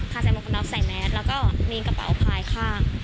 คาแซมอคโน๊ตใส่แมสแล้วก็มีกระเป๋าภายข้าง